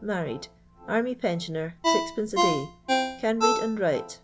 Married. Army pensioner, 6d. a day. Cut read and write.